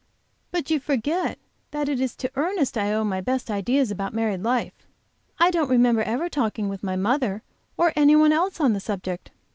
"But you forget that it is to Ernest I owe my best ideas about married life; I don't remember ever talking with my mother or any one else on the subject.